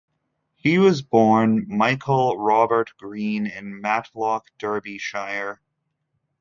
He was born Michael Robert Green, in Matlock, Derbyshire.